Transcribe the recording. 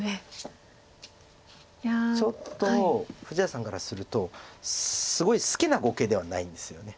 ちょっと富士田さんからするとすごい好きな碁形ではないんですよね。